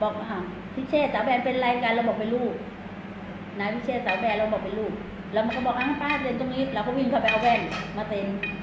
แล้วมันก็บอกอ้าวป้าเตรนตรงนี้เราก็วิ่งเข้าไปเอาแว่นมาเตรน